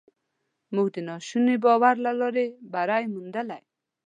موږ د ناشوني باور له لارې بری موندلی.